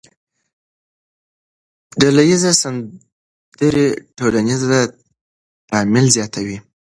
ډلهییزې سندرې ټولنیز تعامل زیاتوي.